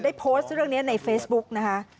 โพสต์เรื่องนี้ในเฟซบุ๊กนะคะ